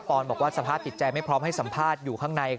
อนบอกว่าสภาพจิตใจไม่พร้อมให้สัมภาษณ์อยู่ข้างใน